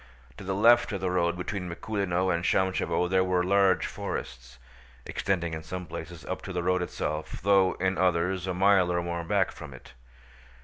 To the left of the road between Mikúlino and Shámshevo there were large forests, extending in some places up to the road itself though in others a mile or more back from it.